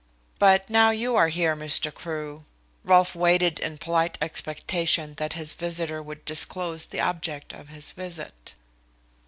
But now you are here, Mr. Crewe " Rolfe waited in polite expectation that his visitor would disclose the object of his visit.